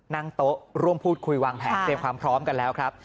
นั่งโต๊ะร่วมพูดคุยวางแผนเตรียมความพร้อมกันแล้วครับ